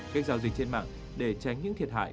các giao dịch trên mạng để tránh những thiệt hại